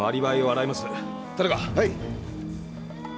はい。